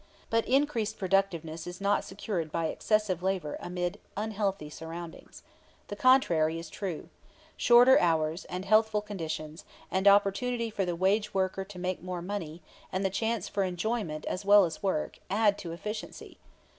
But increased productiveness is not secured by excessive labor amid unhealthy surroundings. The contrary is true. Shorter hours, and healthful conditions, and opportunity for the wage worker to make more money, and the chance for enjoyment as well as work, all add to efficiency.